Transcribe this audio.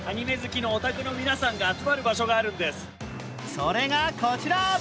それがこちら。